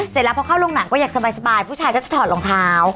เสร็จแล้วพอเข้าโรงหนังก็อยากสบายผู้ชายก็จะถอดรองเท้า